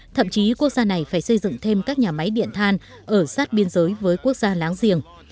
thậm chí quốc gia này phải xây dựng thêm các nhà máy điện than ở sát biên giới với quốc gia láng giềng